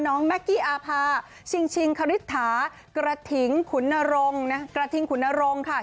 น้องแมกกี้อาภาชิงคฤษฐากระถิงขุนนรงค์นะครับ